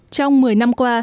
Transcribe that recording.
trong một mươi năm qua